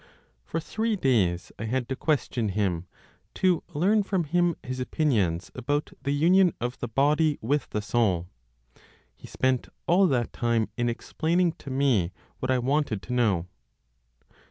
For three days I had to question him, to learn from him his opinions about the union of the body with the soul; he spent all that time in explaining to me what I wanted to know.